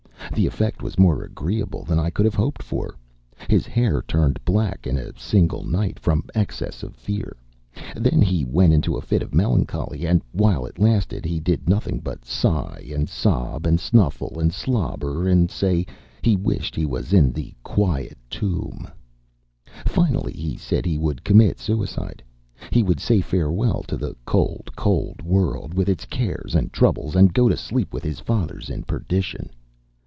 The effect was more agreeable than I could have hoped for. His hair turned black in a single night, from excess of fear; then he went into a fit of melancholy, and while it lasted he did nothing but sigh, and sob, and snuffle, and slobber, and say "he wished he was in the quiet tomb;" finally he said he would commit suicide he would say farewell to the cold, cold world, with its cares and troubles, and go to sleep with his fathers, in perdition.